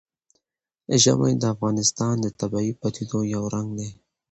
ژمی د افغانستان د طبیعي پدیدو یو رنګ دی.